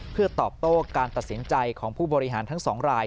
เพื่อตอบโต้การตัดสินใจของผู้บริหารทั้ง๒ราย